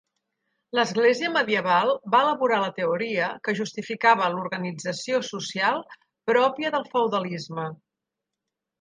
L'església medieval va elaborar la teoria que justificava l'organització social pròpia del feudalisme.